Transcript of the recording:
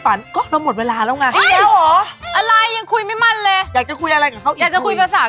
เพราะว่าเค้าไม่พูดกัน